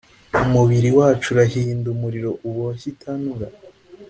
Umubiri wacu urahinda umuriro uboshye itanura,